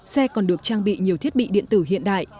xe còn được trang bị nhiều thiết bị điện tử hiện đại